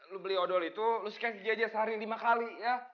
lu beli odol itu lu sky aja sehari lima kali ya